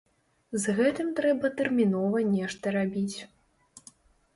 З гэтым трэба тэрмінова нешта рабіць.